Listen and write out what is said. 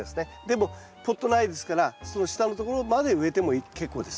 でもポット苗ですからその下のところまで植えても結構です。